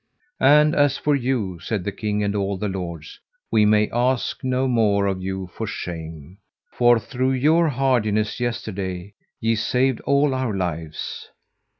And as for you, said the king and all the lords, we may ask no more of you for shame; for through your hardiness yesterday ye saved all our lives.